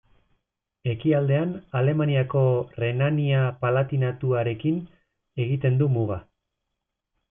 Ekialdean Alemaniako Renania-Palatinatuarekin egiten du muga.